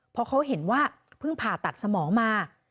เพราะเขาเห็นว่าเพิ่งผ่าตัดสมองมา